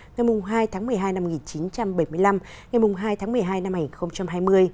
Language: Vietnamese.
ngày hai tháng một mươi hai năm một nghìn chín trăm bảy mươi năm ngày hai tháng một mươi hai năm hai nghìn hai mươi